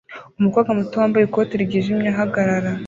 Umukobwa muto wambaye ikote ryijimye ahagarara